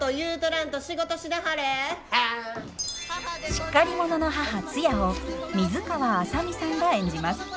しっかり者の母ツヤを水川あさみさんが演じます。